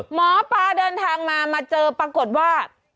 หมอปลาเดินทางมามาเจอปรากฏว่า